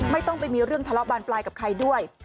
ไม่ต้องไปมีเรื่องทะเลาะบานปลายกับใครด้วย